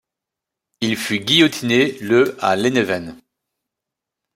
Il fut guillotiné le à Lesneven.